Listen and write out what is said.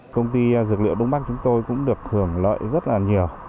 công ty dược liệu đông bắc chúng tôi cũng được hưởng lợi rất là nhiều